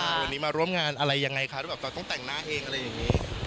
วันนี้มาร่วมงานอะไรยังไงคะที่แบบเราต้องแต่งหน้าเองอะไรอย่างนี้